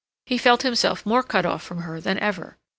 He felt himself more cut off from her than ever.